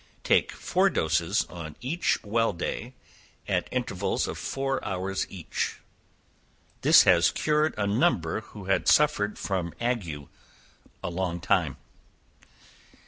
Take four doses on each well day, at intervals of four hours each, this has cured a number who had suffered with ague a long time.